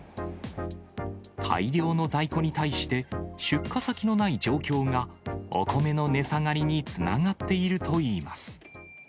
大量の在庫に対して、出荷先のない状況が、お米の値下がりにつながっているといいます。